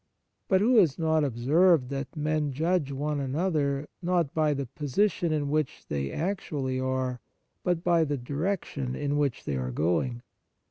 But who has not observed that men judge one another, not by the position in which they actually are, but by the direction in which they are going